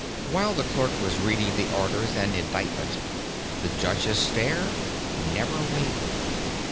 While the clerk was reading the orders and indictment, the judge's stare never wavered.